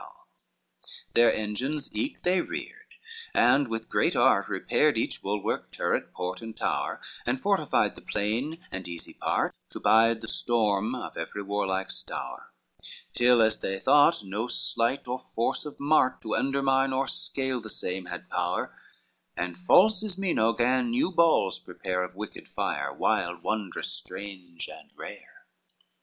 XLVII Their engines eke they reared, and with great art Repaired each bulwark, turret, port and tower, And fortified the plain and easy part, To bide the storm of every warlike stoure, Till as they thought no sleight or force of Mart To undermine or scale the same had power; And false Ismeno gan new balls prepare Of wicked fire, wild, wondrous, strange and rare.